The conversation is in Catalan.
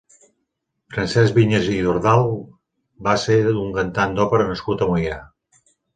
Francesc Viñas i Dordal va ser un cantant d'òpera nascut a Moià.